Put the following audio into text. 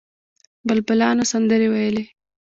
بلبلانو سندرې ویلې.